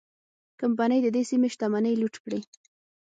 کمپنۍ د دې سیمې شتمنۍ لوټ کړې.